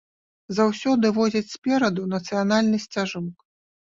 Заўсёды возіць спераду нацыянальны сцяжок.